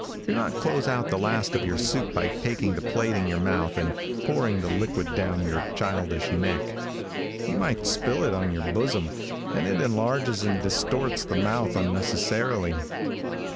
Do not close out the last of your soup by taking the plate in your mouth and pouring the liquid down your childish neck. You might spill it on your bosom, and it enlarges and distorts the mouth unnecessarily.